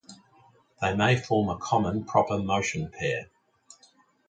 They may form a common proper motion pair.